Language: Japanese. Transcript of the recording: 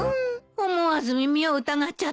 思わず耳を疑っちゃったわ。